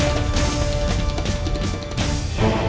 aku akan menangkan gusti ratu